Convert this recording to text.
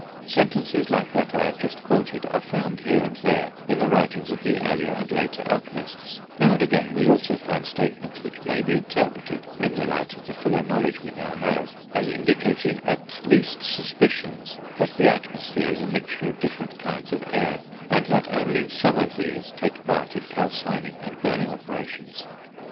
Sentences like that I have just quoted are found here and there in the writings of the earlier and later alchemists; now and again we also find statements which may be interpreted, in the light of the fuller knowledge we now have, as indicating at least suspicions that the atmosphere is a mixture of different kinds of air, and that only some of these take part in calcining and burning operations.